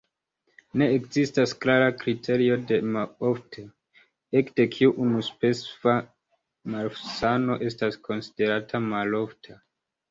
Ne ekzistas klara kriterio de ofteco, ekde kiu unu specifa malsano estas konsiderata malofta.